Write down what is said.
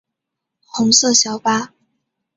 红色小巴